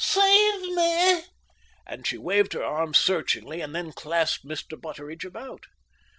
Save me!" And she waved her arms searchingly, and then clasped Mr. Butteridge about.